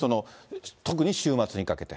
特に週末にかけて。